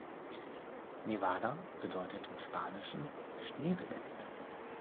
„Nevada“ bedeutet im Spanischen „schneebedeckt“.